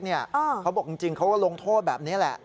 เขาบอกจริงเขาก็ลงโทษแบบนี้แหละ